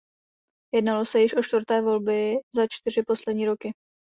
Jednalo se již o čtvrté volby za čtyři poslední roky.